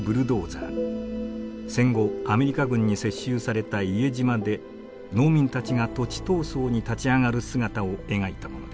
戦後アメリカ軍に接収された伊江島で農民たちが土地闘争に立ち上がる姿を描いたものです。